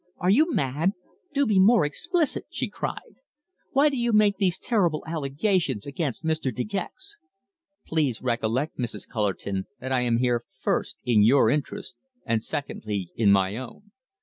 Are you mad? Do be more explicit," she cried. "Why do you make these terrible allegations against Mr. De Gex?" "Please recollect, Mrs. Cullerton, that I am here first in your interests, and secondly in my own.